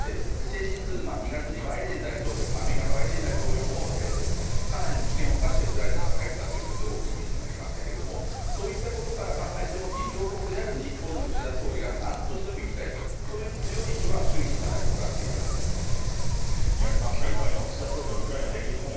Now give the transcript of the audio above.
先日、２月にアメリカのバイデン大統領もかなりの危険をおかしてウクライナに入ったということで大きいニュースになりましたがそういったことから考えても議長国である日本の岸田総理が何としても行きたいという強い意志は周囲にかなり漏らしていたと宮家さん、今回の岸田総理のウクライナの電撃訪問